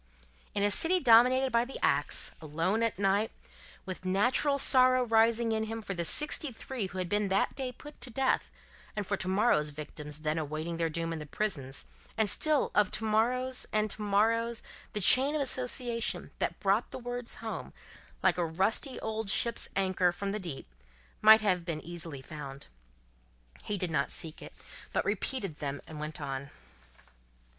In a city dominated by the axe, alone at night, with natural sorrow rising in him for the sixty three who had been that day put to death, and for to morrow's victims then awaiting their doom in the prisons, and still of to morrow's and to morrow's, the chain of association that brought the words home, like a rusty old ship's anchor from the deep, might have been easily found. He did not seek it, but repeated them and went on.